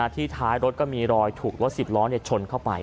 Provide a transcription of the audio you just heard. ที่ท้ายรถก็มีรอยถูกว่าสิบล้อเนี่ยชนเข้าไป